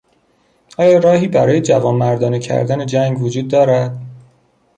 آیا راهی برای جوانمردانه کردن جنگ وجود دارد؟